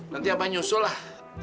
nanti abah nyusul lah